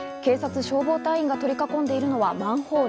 警察、消防隊員が取り囲んでいるのはマンホール。